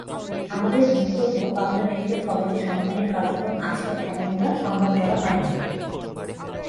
আমাদের বক্তব্য পাবনা মেডিকেল কলেজে সন্ধানীর কার্যক্রম আছে এমনটা সংবাদ বলা হয়নি।